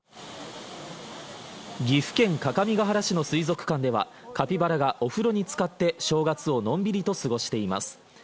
岐阜県各務原市の水族館では、カピバラがお風呂につかって正月を、のんびりと過ごしています